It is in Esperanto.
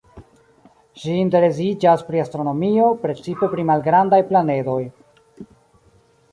Ŝi interesiĝas pri astronomio, precipe pri malgrandaj planedoj.